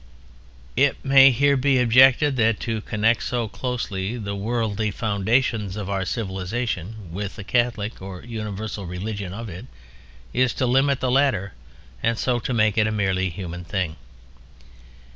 It may here be objected that to connect so closely the worldly foundations of our civilization with the Catholic or universal religion of it, is to limit the latter and to make of it a merely human thing.